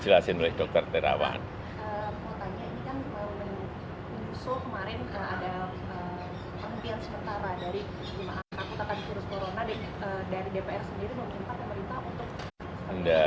takut akan virus corona dari dpr sendiri meminta pemerintah untuk